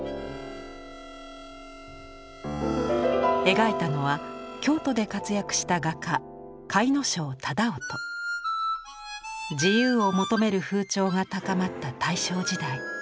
描いたのは京都で活躍した画家自由を求める風潮が高まった大正時代